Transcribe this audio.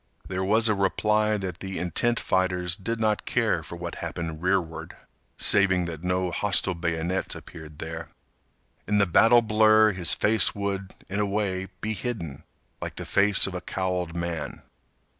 There was a reply that the intent fighters did not care for what happened rearward saving that no hostile bayonets appeared there. In the battle blur his face would, in a way, be hidden, like the face of a cowled man.